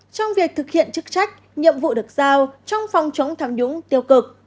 trong việc thực hiện chức trách nhiệm vụ được giao trong phòng chống tham nhũng tiêu cực